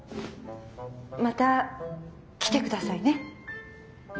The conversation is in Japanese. また来て下さいね。